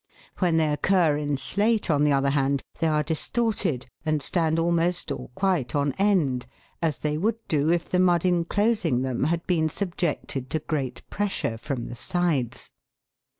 When they occur in slate, on the other hand, they are distorted, and stand almost or quite on end, as they would do if the mud enclosing them had been subjected to great pressure from the sides.